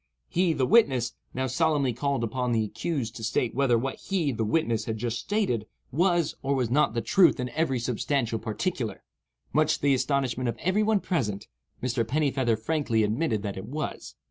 He (the witness) now solemnly called upon the accused to state whether what he (the witness) had just stated was or was not the truth in every substantial particular. Much to the astonishment of every one present, Mr. Pennifeather frankly admitted that it was.